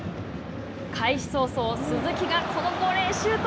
開始早々、鈴木がこのボレーシュート。